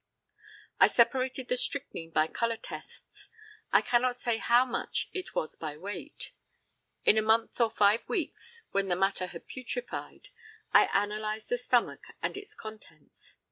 I separated the strychnine by colour tests. I cannot say how much it was by weight. In a month or five weeks, when the matter had putrefied, I analysed the stomach and its contents.